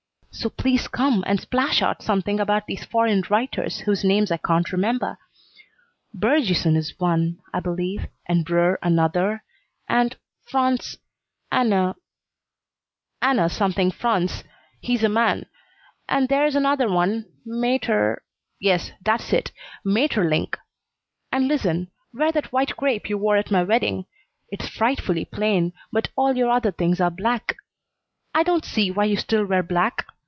"So please come and splash out something about these foreign writers whose names I can't remember. Bergyson is one, I believe, and Brerr another, and France Ana Ana something France. He's a man. And there's another one. Mater. .. Yes, that's it. Maeterlinck. And listen: Wear that white crepe you wore at my wedding; it's frightfully plain, but all your other things are black. I don't see why you still wear black.